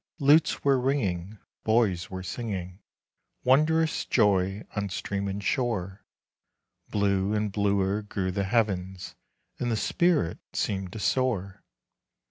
Lutes were ringing, boys were singing, Wondrous joy on stream and shore. Blue and bluer grew the heavens, And the spirit seemed to soar.